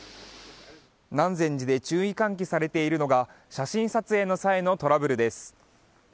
南禅寺で注意喚起されているのが写真撮影の際のトラブルです。